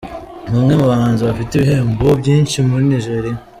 Ni umwe mu bahanzi bafite ibihembo byinshi muri Nigeria.